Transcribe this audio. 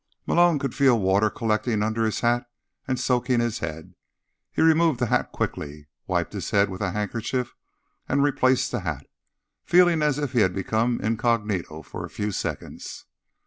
Malone could feel water collecting under his hat and soaking his head. He removed the hat quickly, wiped his head with a handkerchief and replaced the hat, feeling as if he had become incognito for a few seconds.